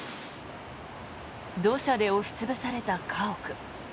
土砂で押し潰された家屋。